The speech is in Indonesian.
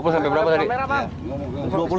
dua puluh sampai berapa tadi